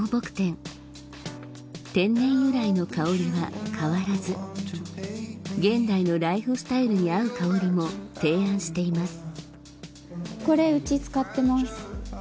天然由来の香りは変わらず現代のライフスタイルに合う香りも提案しています